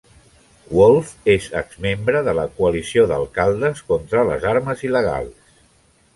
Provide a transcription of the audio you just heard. Wolf és exmembre de la coalició d'alcaldes contra les armes il·legals.